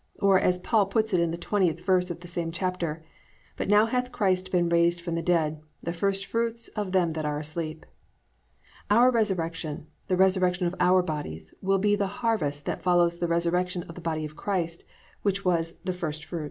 Or, as Paul puts it in the 20th verse of this same chapter, "+But now hath Christ been raised from the dead, the first fruits of them that are asleep."+ Our resurrection, the resurrection of our bodies, will be the harvest that follows the resurrection of the body of Christ, which was "the first fruits."